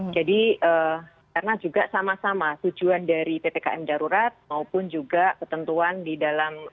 jadi karena juga sama sama tujuan dari ppkm darurat maupun juga ketentuan di dalam